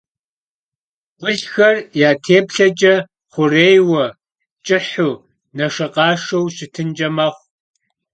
Guelxer ya têplheç'e xhurêyue, ç'ıhu, neşşekhaşşeu şıtınç'e mexhu.